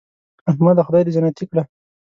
احمده خدای دې جنتې کړه .